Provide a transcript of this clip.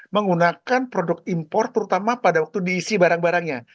menggunakan produk impor terutama pada waktu diisi barang barangnya